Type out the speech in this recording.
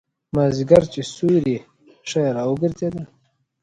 مازیګر چې سیوري ښه را وګرځېدل.